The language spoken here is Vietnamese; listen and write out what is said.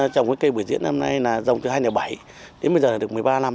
chồng với cây bưởi diễn năm nay là dòng từ hai nghìn bảy đến bây giờ là được một mươi ba năm